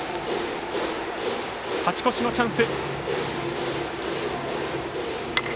勝ち越しのチャンス。